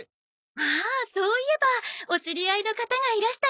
ああそういえばお知り合いの方がいらしたようで。